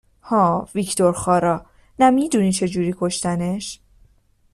ها ویکتور خارا نه می دونی چه جوری کشتنش؟